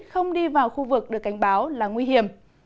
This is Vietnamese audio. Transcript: không đi vào khu vực được cảnh báo là nguy hiểm